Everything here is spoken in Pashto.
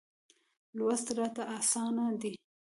لوست راته اسانه دی.